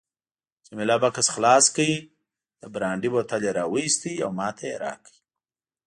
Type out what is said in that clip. جميله بکس خلاص کړ، د برانډي بوتل یې راوایست او ماته یې راکړ.